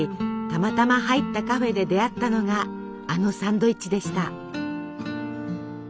たまたま入ったカフェで出会ったのがあのサンドイッチでした。